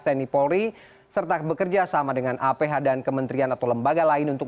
tni polri serta bekerja sama dengan aph dan kementerian atau lembaga lain untuk